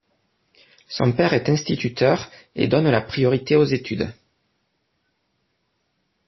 Son père est instituteur et donne la priorité aux études.